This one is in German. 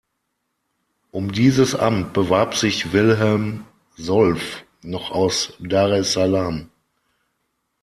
Um dieses Amt bewarb sich Wilhelm Solf noch aus Daressalam.